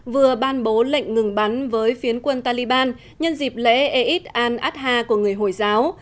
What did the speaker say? vừa ban bố lệnh ngừng bắn với phiến quân taliban nhân dịp lễ eid al adha của người hồi giáo